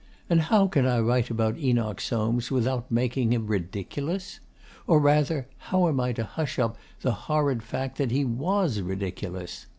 And how can I write about Enoch Soames without making him ridiculous? Or rather, how am I to hush up the horrid fact that he WAS ridiculous?